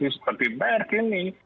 seperti merck ini